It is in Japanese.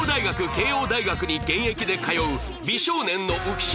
慶應大学に現役で通う美少年の浮所